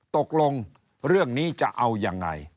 ตกลงเรื่องนี้จะเอายังไง